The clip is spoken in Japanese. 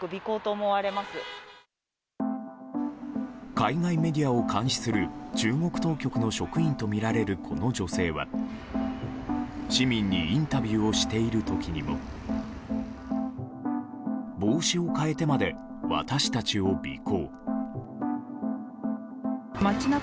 海外メディアを監視する中国当局の職員とみられるこの女性は市民にインタビューをしている時にも帽子を変えてまで私たちを尾行。